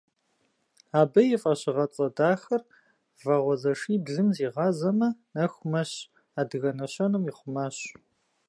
Абы и фӏэщыгъэцӏэ дахэр «Вагъуэзэшиблым зигъазэмэ, нэху мэщ» адыгэ нэщэнэм ихъумащ.